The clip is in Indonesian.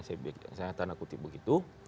saya tanda kutip begitu